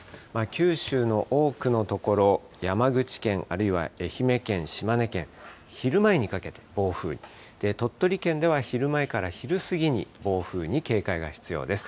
九州の多くの所、山口県、あるいは愛媛県、島根県、昼前にかけて暴風に、鳥取県では昼前から昼過ぎに暴風に警戒が必要です。